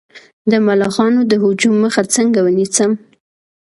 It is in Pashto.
د ملخانو د هجوم مخه څنګه ونیسم؟